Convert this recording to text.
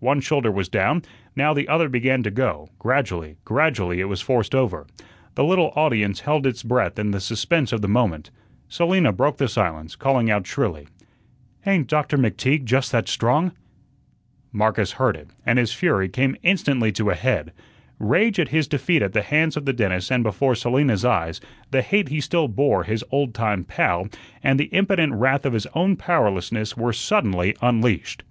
One shoulder was down, now the other began to go; gradually, gradually it was forced over. The little audience held its breath in the suspense of the moment. Selina broke the silence, calling out shrilly: "Ain't Doctor McTeague just that strong!" Marcus heard it, and his fury came instantly to a head. Rage at his defeat at the hands of the dentist and before Selina's eyes, the hate he still bore his old time "pal" and the impotent wrath of his own powerlessness were suddenly unleashed.